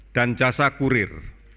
dan jasa kurir